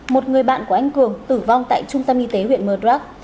một người bạn của anh cường tử vong tại trung tâm y tế huyện mờ đắc